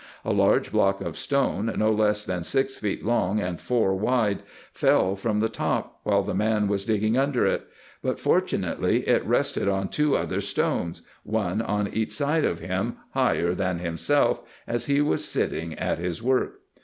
A large block of stone, no less than six feet long and four wide, fell from the top, while the man was digging under it ; but fortunately it rested on two other stones, one on each side of him, higher than himself, as he was sitting at his work.